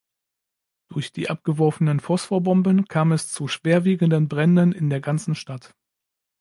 Durch die abgeworfenen Phosphorbomben kam es zu schwerwiegenden Bränden in der ganzen Stadt.